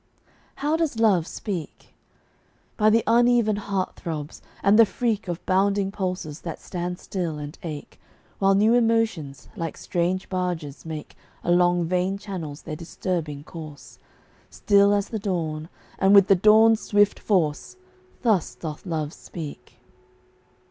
How does Love speak? By the uneven heart throbs, and the freak Of bounding pulses that stand still and ache, While new emotions, like strange barges, make Along vein channels their disturbing course; Still as the dawn, and with the dawn's swift force Thus doth Love speak.